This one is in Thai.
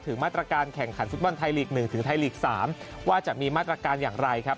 มาตรการแข่งขันฟุตบอลไทยลีก๑ถึงไทยลีก๓ว่าจะมีมาตรการอย่างไรครับ